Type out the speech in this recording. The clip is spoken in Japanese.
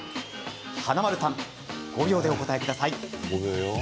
華丸さん、５秒で答えてください。